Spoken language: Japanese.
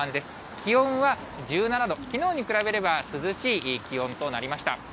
気温は１７度、きのうに比べれば、涼しい気温となりました。